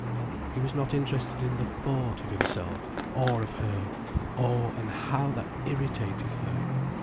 He was not interested in the thought of himself or of her: oh, and how that irritated her!